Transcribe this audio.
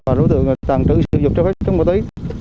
và đối tượng là tàn trữ sử dụng trái phép chất vô tí